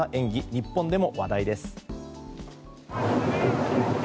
日本でも話題です。